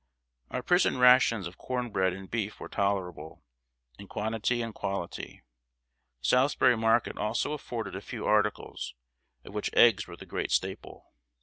Our prison rations of corn bread and beef were tolerable, in quantity and quality. The Salisbury market also afforded a few articles, of which eggs were the great staple.